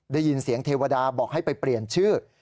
ได้ยินเสียงเทวดาบอกให้ไปเปลี่ยนชื่อ